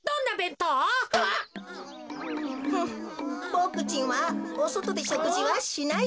ボクちんはおそとでしょくじはしない